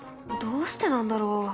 どうしてなんだろう？